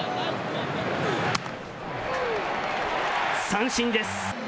三振です。